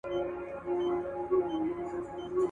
¬ څوک چي لاس در پوري بند کي، مه ئې غوڅوه.